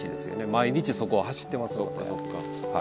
毎日そこを走ってますので。